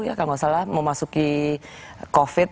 ya kalo gak salah memasuki covid